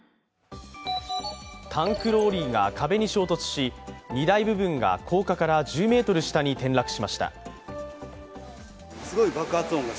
タンクローリーが壁に衝突し荷台部分が高架から１０ｍ下に転落しました。